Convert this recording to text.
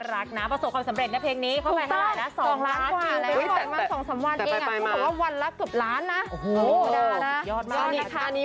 รักนะประสบความสำเร็จในเพลงนี้